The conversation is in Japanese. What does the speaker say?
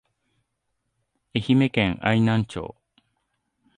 愛媛県愛南町